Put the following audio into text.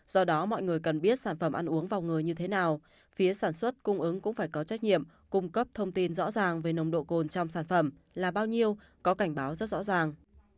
do đó mọi người cần biết sản phẩm ăn uống vào người như thế nào phía sản xuất cung ứng cũng phải có trách nhiệm cung cấp thông tin rõ ràng về nồng độ cồn trong sản phẩm là bao nhiêu có cảnh báo rất rõ ràng